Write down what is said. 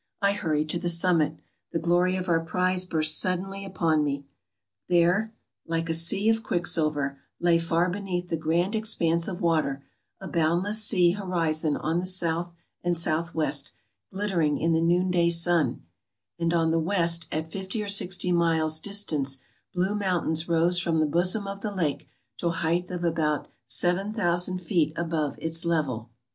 I hurried to the summit. The glory of our prize burst suddenly upon me ! There, like a sea of quicksilver, lay far beneath the grand expanse of water — a boundless sea horizon on the south and south west, glittering in the noonday sun ; and on the west at fifty or sixty miles' distance blue mountains rose from the bosom of the lake to a height of about 7000 feet above its level.